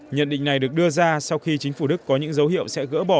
nhận định này được đưa ra sau khi chính phủ đức có những dấu hiệu sẽ gỡ bỏ